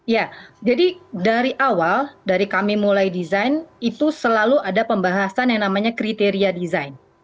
ya jadi dari awal dari kami mulai desain itu selalu ada pembahasan yang namanya kriteria desain